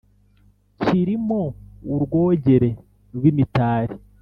kiri mo urwogere rw’imitari